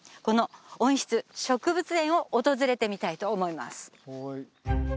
この温室植物園を訪れてみたいと思います